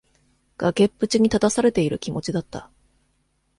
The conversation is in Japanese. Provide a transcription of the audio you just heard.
崖っぷちに立たされている気持ちだった。